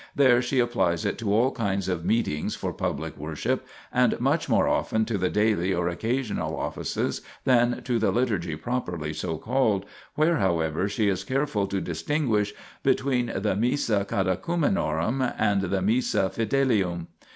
There she applies it to all kinds of meetings for public worship, and much more often to the daily or occasional offices than to the Liturgy properly so called, where, however, she is careful to distinguish between the missa catechu menorum and the missa fiddium.